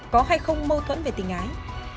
có hay không mâu thuẫn về tình ái